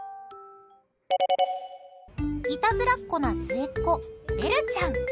いたずらっ子な末っ子ベルちゃん。